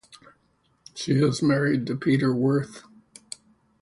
She is married to Peter Wirth.